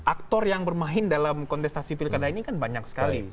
aktor yang bermain dalam kontestasi pilkada ini kan banyak sekali